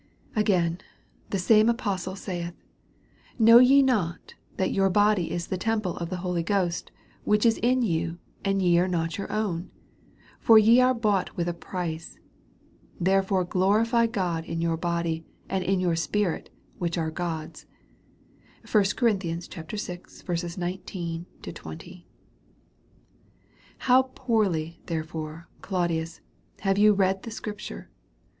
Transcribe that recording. Again, the same apostle saith. Know ye not, that your body is the temple of the Holy Ghost ivhich is in you, and ye are not your own ? For ye are bought with a price ; therefore glorify God in your body, and in your spirit, which are God's. 1 Cor. vi. 19, 20. How poorly, therefore, Claudius, have you read the scripture!